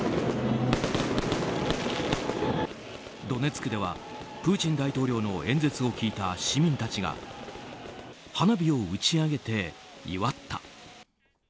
ドネツクではプーチン大統領の演説を聞いた市民たちが花火を打ち上げて祝った。